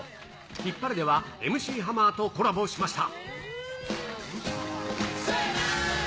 ヒッパレではＭ．Ｃ．ハマーとコラボしました。